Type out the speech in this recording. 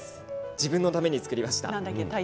自分のために作りました。